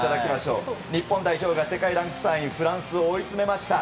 日本代表が世界ランク３位フランスを追い詰めました。